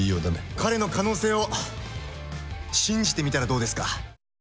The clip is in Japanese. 彼の可能性を信じてみたらどうですか？